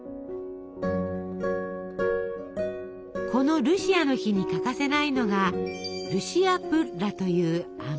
このルシアの日に欠かせないのが「ルシアプッラ」という甘いパン。